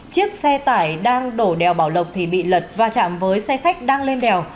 chiếc xe tải đang đổ đèo bảo lộc thì bị lật va chạm với xe khách đang lên đèo